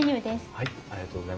はい。